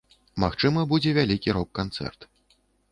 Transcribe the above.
Магчыма, будзе вялікі рок-канцэрт.